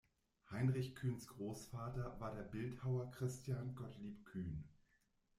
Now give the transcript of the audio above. Heinrich Kühns Großvater war der Bildhauer Christian Gottlieb Kühn.